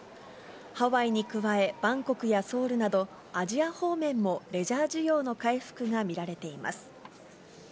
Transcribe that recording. ハワイに加え、バンコクやソウルなど、アジア方面もレジャー需要の回復が見られています。